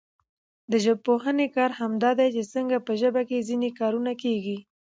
د ژبپوهني کار همدا دئ، چي څنګه په ژبه کښي ځیني کارونه کېږي.